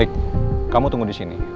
baik kamu tunggu di sini